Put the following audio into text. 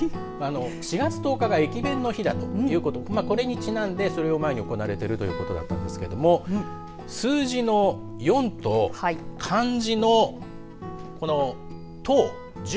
４月１０日が駅弁の日だということこれにちなんでそれを前に行われているということですが数字の４と、漢字のこの１０、十